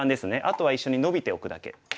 あとは一緒にノビておくだけ。